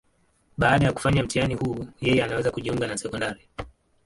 Baada ya kufanya mtihani huu, yeye anaweza kujiunga na sekondari.